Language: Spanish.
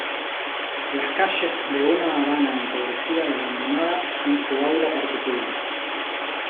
Las calles de una Habana empobrecida y abandonada son su aula particular.